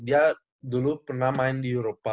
dia dulu pernah main di eropa